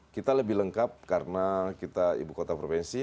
kita lebih lengkap karena kita ibu kota provinsi